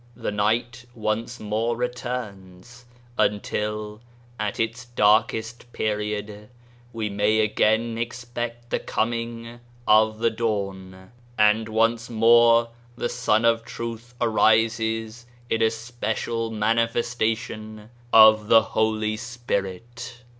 15 the night once more returns, until at its darkest period we may again expect the coming of the dawn, and once more the sun of truth arises in a special manifestation of the Holy Spirit.